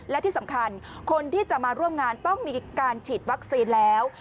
และที่สำคัญคนที่จะมาร่วมงานต้องมีการฉีดวัคซีนแล้ว